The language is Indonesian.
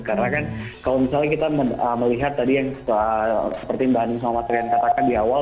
karena kan kalau misalnya kita melihat tadi yang seperti mbak hanun sama mas reza katakan di awal